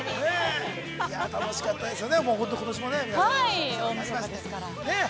楽しかったですよね。